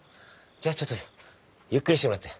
じゃあちょっとゆっくりしてもらって。